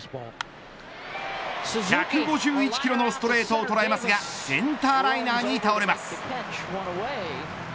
１５１キロのストレートをとらえますがセンターライナーに倒れます。